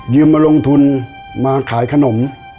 มาลงทุนมาขายขนม